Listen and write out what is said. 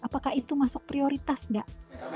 apakah itu masuk prioritas nggak